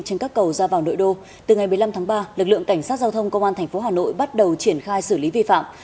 trên các cầu ra vào nội đô từ ngày một mươi năm tháng ba lực lượng cảnh sát giao thông công an tp hà nội bắt đầu triển khai xử lý vi phạm